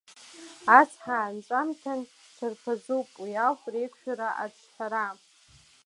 Ацҳа анҵәамҭа шарԥазуп, уи ауп реиқәшәара аҿҳәара.